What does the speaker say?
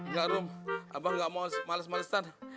nggak rum abah gak mau males malesan